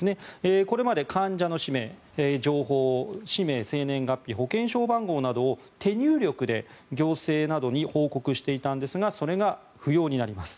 これまで患者の氏名、情報氏名、年齢、保険証番号を手入力で行政などに報告していたんですがそれが不要になります。